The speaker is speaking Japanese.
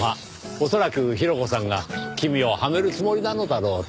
恐らくヒロコさんが君をはめるつもりなのだろうと。